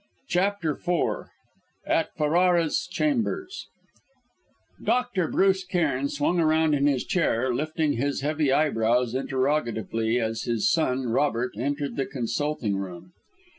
CHAPTER IV AT FERRARA'S CHAMBERS Dr. Bruce Cairn swung around in his chair, lifting his heavy eyebrows interrogatively, as his son, Robert, entered the consulting room.